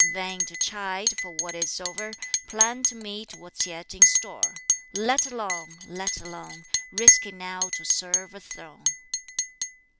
Vain to chide for what is o'er, Plan to meet what's yet in store. Let alone! Let alone! Risky now to serve a throne."